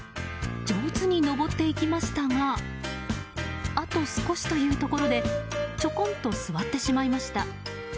上手に上っていきましたがあと少しというところでちょこんと座ってしまいました。